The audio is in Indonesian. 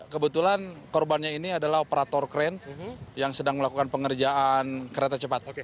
kebetulan korbannya ini adalah operator kren yang sedang melakukan pengerjaan kereta cepat